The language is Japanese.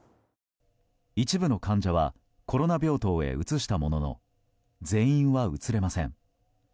一部の患者はコロナ病棟へ移したものの全員は移れません。